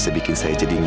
sebenarnya itulah alarmnya